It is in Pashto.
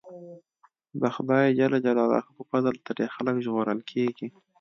د خدای ج په فضل ترې خلک ژغورل کېږي.